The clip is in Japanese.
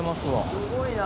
すごいな。